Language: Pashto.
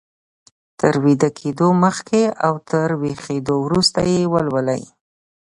تر ويده کېدو مخکې او تر ويښېدو وروسته يې ولولئ.